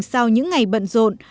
sau những ngày bận rộn